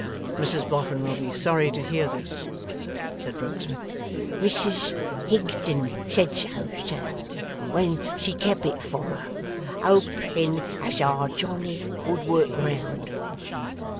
'Mrs Boffin will be sorry to hear this,' said Rokesmith. 'Mrs Higden said so, sir, when she kep it from her, hoping as Our Johnny would work round.